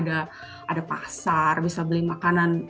ada pasar bisa beli makanan